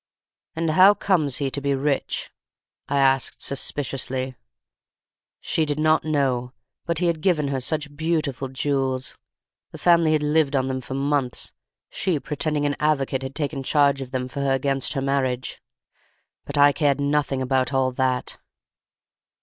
"'And how comes he to be rich?' I asked, suspiciously. "She did not know; but he had given her such beautiful jewels; the family had lived on them for months, she pretending an avocat had taken charge of them for her against her marriage. But I cared nothing about all that.